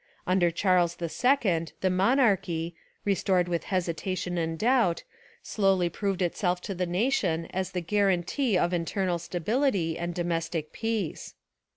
Under Charles II the mon archy, restored with hesitation and doubt, slowly proved itself to the nation as the guar antee of internal stability and domestic peace.